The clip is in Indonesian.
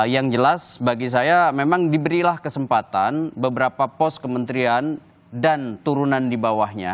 yang jelas bagi saya memang diberilah kesempatan beberapa pos kementerian dan turunan di bawahnya